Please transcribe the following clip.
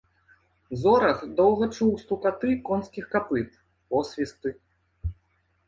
Зорах доўга чуў стукаты конскіх капыт, посвісты.